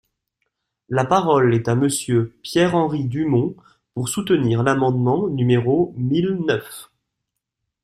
La parole est à Monsieur Pierre-Henri Dumont, pour soutenir l’amendement numéro mille neuf.